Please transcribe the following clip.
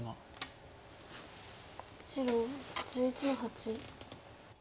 白１１の八。